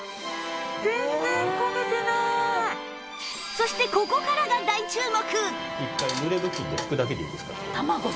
そしてここからが大注目！